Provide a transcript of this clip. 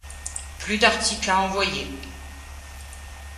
Plus d’articles à envoyer.